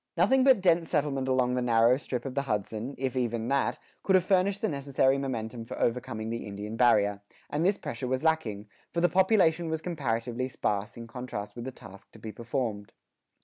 Nothing but dense settlement along the narrow strip of the Hudson, if even that, could have furnished the necessary momentum for overcoming the Indian barrier; and this pressure was lacking, for the population was comparatively sparse in contrast with the task to be performed.